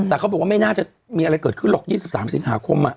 แต่เขาบอกว่าไม่น่าจะมีอะไรเกิดขึ้นหรอกยี่สิบสามสิงหาคมอ่ะ